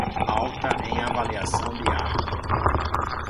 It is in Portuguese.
Alta em avaliação de arte